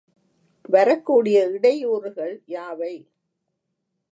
வரக்கூடிய இடையூறுகள் யாவை?